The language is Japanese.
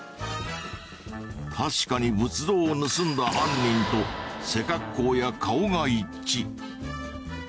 確かに仏像を盗んだ犯人と背格好や顔が一致。